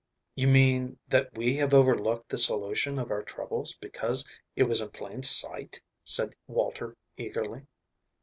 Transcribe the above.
"You mean that we have overlooked the solution of our troubles because it was in plain sight?" said Walter eagerly.